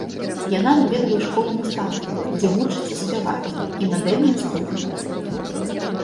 Яна наведвае школу мастацтваў, дзе вучыцца спяваць, і мадэльную студыю.